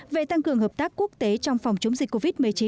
về tăng cường hợp tác quốc tế trong phòng chống dịch covid một mươi chín